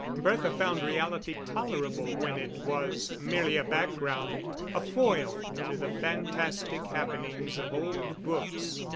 Bertha found reality tolerable when it was merely a background, a foil to the fantastic happenings of old books.